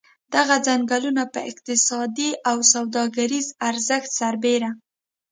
دغه څنګلونه په اقتصادي او سوداګریز ارزښت سربېره.